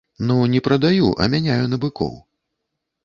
Ну, не прадаю, а мяняю на быкоў.